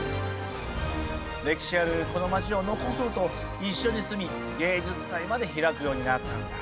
歴史あるこの町を残そうと一緒に住み芸術祭まで開くようになったんだ。